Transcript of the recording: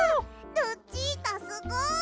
ルチータすごい。